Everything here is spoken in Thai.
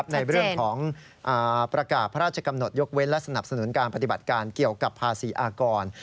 ในเรื่องของประกาศพระราชกำหนดยกเว้นและสนับสนุนการปฏิบัติการเกี่ยวกับภาษีอากร